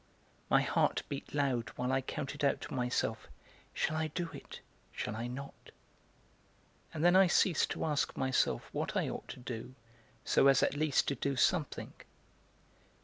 My heart beat loud while I counted out to myself "Shall I do it, shall I not?" and then I ceased to ask myself what I ought to do so as at least to do something.